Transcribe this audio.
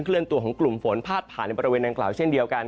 เลื่อนตัวของกลุ่มฝนพาดผ่านในบริเวณดังกล่าวเช่นเดียวกัน